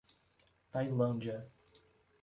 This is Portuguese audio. Tailândia